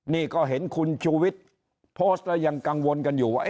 นี่ก็เห็นคุณชูวิทย์โพสต์แล้วยังกังวลกันอยู่ว่า